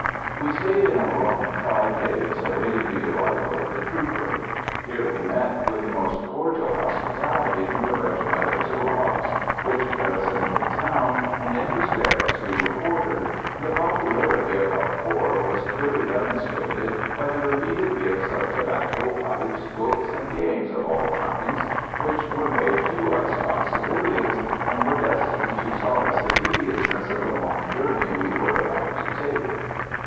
We stayed in Oran five days awaiting the arrival of the trooper. Here we met with the most cordial hospitality from the regiment of Zouaves which garrisoned the town and in whose barracks we were quartered, and the popularity of our corps was clearly demonstrated by the repeated gifts of tobacco, pipes, books and games of all kinds which were made to us by civilians, and were destined to solace the tediousness of the long journey we were about to take.